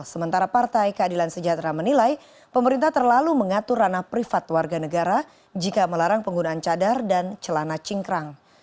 sementara partai keadilan sejahtera menilai pemerintah terlalu mengatur ranah privat warga negara jika melarang penggunaan cadar dan celana cingkrang